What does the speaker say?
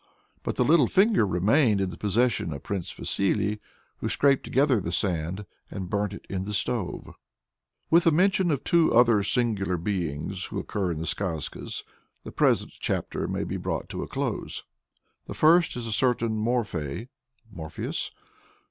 "But the little finger remained in the possession of Prince Vasily, who scraped together the sand and burnt it in the stove." With a mention of two other singular beings who occur in the Skazkas, the present chapter may be brought to a close. The first is a certain Morfei (Morpheus?)